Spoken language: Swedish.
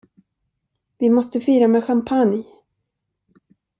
Vi måste fira med champagne!